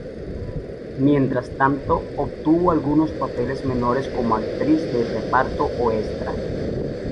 Mientras tanto obtuvo algunos papeles menores como actriz de reparto o extra.